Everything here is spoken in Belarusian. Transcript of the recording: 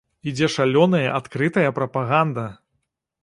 Ідзе шалёная адкрытая прапаганда!